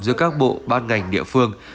giữa các bộ ban ngành địa phương